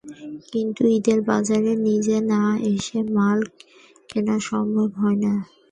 কিন্তু ঈদের বাজারে নিজে না এসে মাল কেনা সম্ভব হয় না।